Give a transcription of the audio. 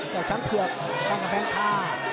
เจ้าช้างเผือกต้องแป้งท่า